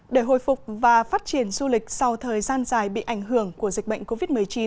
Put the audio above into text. để hồi phục và phát triển du lịch sau thời gian dài bị ảnh hưởng của dịch bệnh covid một mươi chín